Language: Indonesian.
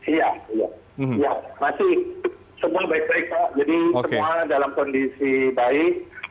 iya iya masih semua baik baik pak jadi semua dalam kondisi baik